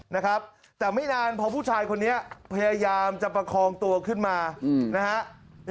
นะครับแต่ไม่นานพอผู้ชายคนนี้พยายามจะประคองตัวขึ้นมานะฮะ